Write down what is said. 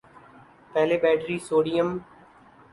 پہلے battery sodium